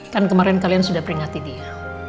kan kemarin kalian sudah peringati dia